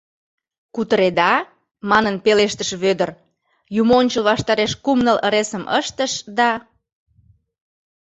— Кутыреда? — манын пелештыш Вӧдыр, юмончыл ваштареш кум-ныл ыресым ыштыш да...